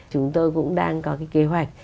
chúng tôi cũng đang có cái kế hoạch